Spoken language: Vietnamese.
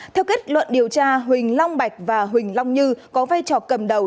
theo kết luận điều tra huỳnh long bạch và huỳnh long như có vai trò cầm đầu